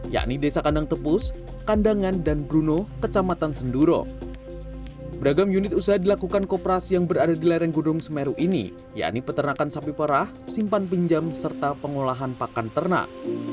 yaitu peternakan sapi perah simpan pinjam serta pengolahan pakan ternak